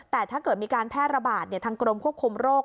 แต่ถ้าเกิดมีการแพร่ระบาดทางกรมควบคุมโรค